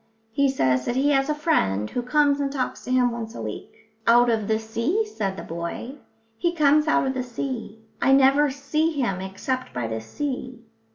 "He says that he has a friend who comes and talks to him once a week." "Out of the sea," said the boy. "He comes out of the sea. I never see him except by the sea."